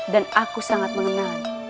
dan aku sangat mengenal